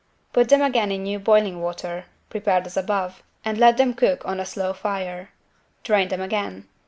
Put them again in new boiling water, prepared as above and let them cook on a slow fire. Drain them again.